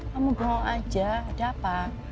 kamu brow aja ada apa